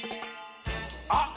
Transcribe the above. あっ！